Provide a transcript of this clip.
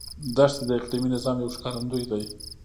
دښتې د اقلیمي نظام یو ښکارندوی دی.